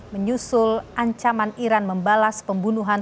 menyusul ancaman iran membalas pembunuhan